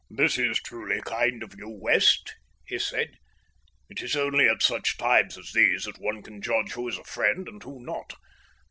"This is truly kind of you, West," he said. "It is only at such times as these that one can judge who is a friend and who not.